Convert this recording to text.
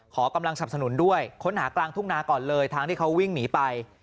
ขอกำลังสับสนุนด้วยค้นหากลางทุ่งนาก่อนเลยทางที่เขาวิ่งหนีไป